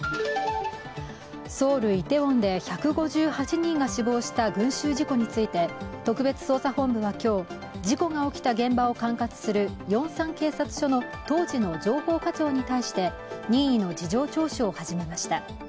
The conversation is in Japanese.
ソウル・イテウォンで１５８人が死亡した群集事故について特別捜査本部は今日、事故が起きた現場を管轄するヨンサン警察署の当時の情報課長に対して任意の事情聴取を始めました。